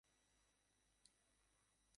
যান, আপনি চলে যান।